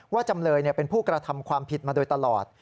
จำเลยเป็นผู้กระทำความผิดมาโดยตลอด